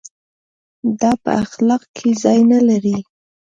دا په اخلاق کې ځای نه لري.